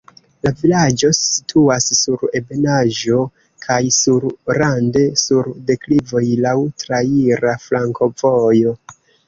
La vilaĝo situas sur ebenaĵo kaj sur rande sur deklivoj, laŭ traira flankovojo.